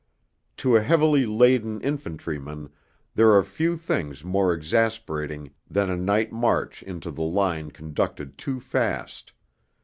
To a heavily laden infantryman there are few things more exasperating than a night march into the line conducted too fast.